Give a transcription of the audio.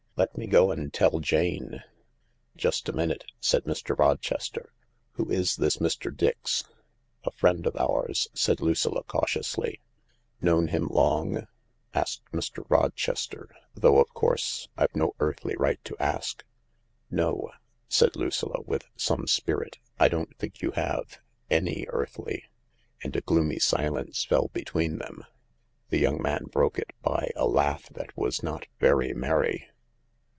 Let me go and tell Jane." "Just a minute," said Mr. Rochester. "Who is this Mr. Dix ? 99 " A friend of ours," said Lucilla cautiously. " Known him long ?" asked Mr. Rochester —" though, of course, I've no earthly right to ask." " No," said Lucilla, with some spirit, " I don't think you have — any earthly." And a gloomy silence fell between them. The young man broke it by a laugh that was not very merry.